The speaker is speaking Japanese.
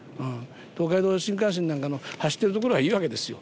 東海道新幹線なんかの走ってる所はいいわけですよ。